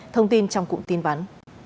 thông tin trong cụm tin vắn